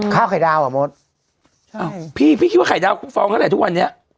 ข้าวไข่ดาวอ่ะมดอ้าวพี่พี่คิดว่าไข่ดาวคุกฟองเท่าไหทุกวันเนี้ย